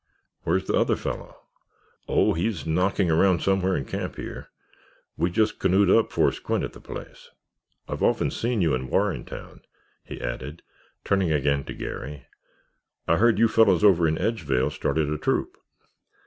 "Where's the other fellow?" "Oh, he's knocking around somewhere in camp here. We just canoed up for a squint at the place. I've often seen you in Warrentown," he added, turning again to Garry. "I heard you fellows over in Edgevale started a troop."